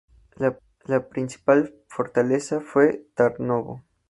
La principal fortaleza fue Tarnovo.